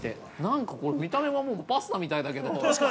なんか、見た目はパスタみたいだけど。